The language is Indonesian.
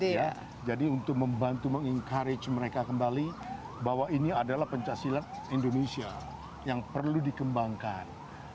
tapi saya juga ingin membantu mengencourage mereka kembali bahwa ini adalah pencaksilat indonesia yang perlu dikembangkan